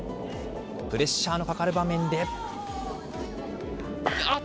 プレッシャーのかかる場面で。